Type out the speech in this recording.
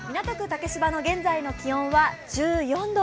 竹芝の現在の気温は１４度。